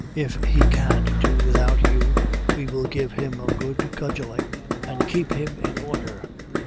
If he can't do without you, we will give him a good cudgeling, and keep him in order.